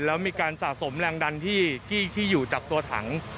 แล้วมีการสะสมแรงดันที่อยู่จากตัวถัง